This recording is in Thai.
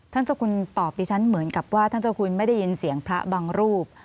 เจ้าคุณตอบดิฉันเหมือนกับว่าท่านเจ้าคุณไม่ได้ยินเสียงพระบางรูป